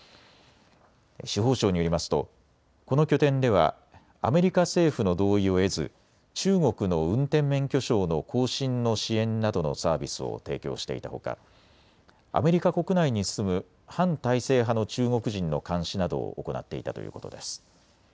司法省によりますとこの拠点ではアメリカ政府の同意を得ず中国の運転免許証の更新の支援などのサービスを提供していたほかアメリカ国内に住む反体制派の中国人の監視などを行っていたということです。